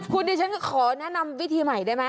คุณดิฉันก็ขอแนะนำวิธีใหม่ได้ไหม